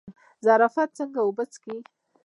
زرافه څنګه اوبه څښي؟